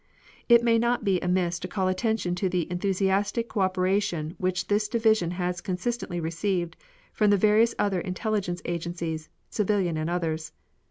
It may not be amiss to call attention to the enthusiastic co operation which this division has consistently received from the various other intelligence agencies, civilian and others.